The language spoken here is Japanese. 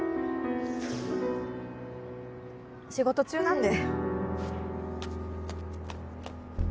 仕事中なので。